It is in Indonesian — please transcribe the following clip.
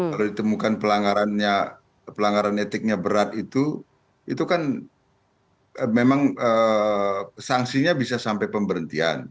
kalau ditemukan pelanggaran etiknya berat itu itu kan memang sanksinya bisa sampai pemberhentian